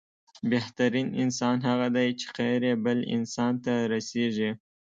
بهترين انسان هغه دی چې، خير يې بل انسان ته رسيږي.